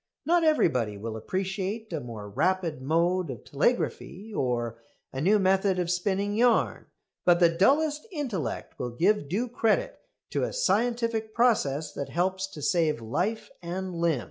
Not everybody will appreciate a more rapid mode of telegraphy, or a new method of spinning yarn, but the dullest intellect will give due credit to a scientific process that helps to save life and limb.